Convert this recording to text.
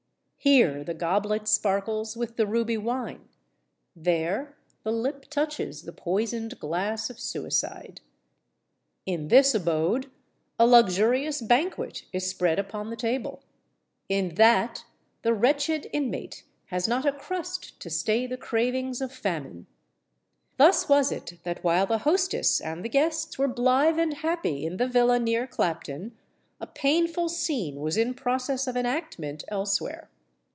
Here the goblet sparkles with the ruby wine—there the lip touches the poisoned glass of suicide:—in this abode a luxurious banquet is spread upon the table—in that the wretched inmate has not a crust to stay the cravings of famine! Thus was it that while the hostess and the guests were blithe and happy in the villa near Clapton, a painful scene was in process of enactment elsewhere.